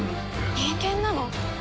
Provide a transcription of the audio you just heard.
人間なの！？